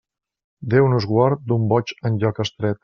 Déu nos guard d'un boig en lloc estret.